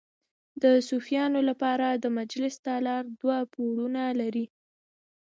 د صوفیانو لپاره د مجلس تالار دوه پوړونه لري.